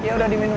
ya udah diminum